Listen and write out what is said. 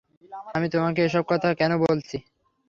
আমি তোমাকে এসব কথা কেন বলছি?